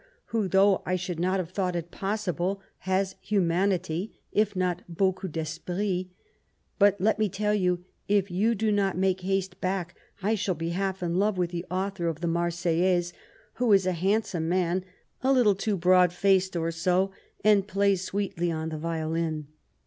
who, though I should not have thought it possible, has humanity, if not beaucoup <Vesprit But, let me tell you, if you do not make haste back, I shaU be half in love with the author of the Marseillaise, who is a hand some man, a little too broad faced or so, and plays sweetly on the violin.